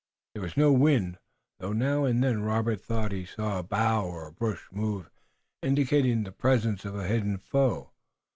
There was no wind, though now and then Robert thought he saw a bough or a bush move, indicating the presence of a hidden foe.